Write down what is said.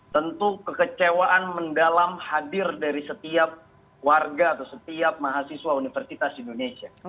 tentu kekecewaan mendalam hadir dari setiap warga atau setiap mahasiswa universitas indonesia